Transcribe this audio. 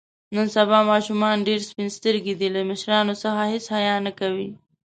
نن سبا ماشومان ډېر سپین سترګي دي. له مشرانو څخه هېڅ حیا نه کوي.